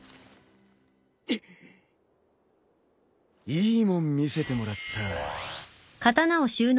いいもん見せてもらった。